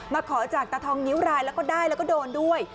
ขอจากตาทองนิ้วรายแล้วก็ได้แล้วก็โดนด้วย